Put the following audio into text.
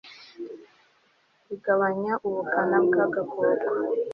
igabanya ubukana bw agakoko